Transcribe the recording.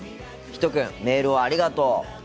ひとくんメールをありがとう。